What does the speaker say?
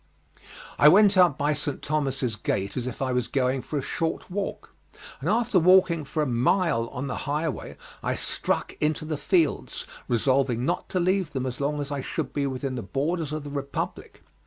I went out by St. Thomas's Gate as if I was going for a short walk, and after walking for a mile on the highway I struck into the fields, resolving not to leave them as long as I should be within the borders of the Republic.